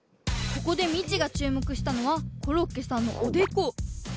ここでミチがちゅうもくしたのはコロッケさんのおでこ。